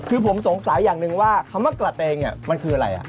คือผมสงสัยอย่างหนึ่งว่าคำว่ากระเตงมันคืออะไร